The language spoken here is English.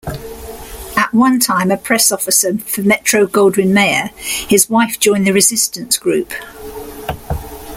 At one time a press officer for Metro-Goldwyn-Mayer, his wife joined the resistance group.